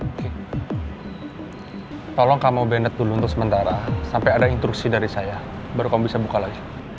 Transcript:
oke tolong kamu benet dulu untuk sementara sampai ada instruksi dari saya baru kamu bisa buka lagi